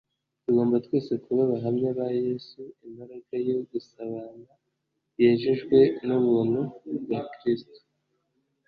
Tugomba twese kuba abahamya ba Yesu. Imbaraga yo gusabana, yejejwe n’ubuntu bwa Kristo